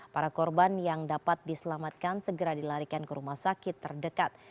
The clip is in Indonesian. para korban yang dapat diselamatkan segera dilarikan ke rumah sakit terdekat